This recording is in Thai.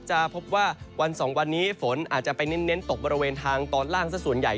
จะพบว่าวัน๒วันนี้ฝนอาจจะไปเน้นตกบริเวณทางตอนล่างสักส่วนใหญ่